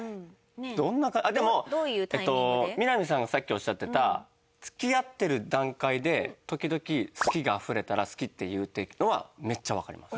どんなでもみな実さんがさっきおっしゃってた付き合ってる段階で時々好きがあふれたら「好き」って言うっていうのはめっちゃわかります。